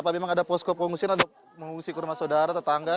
apa memang ada poskop mengusik ke rumah saudara atau tangga